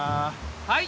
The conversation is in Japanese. はい。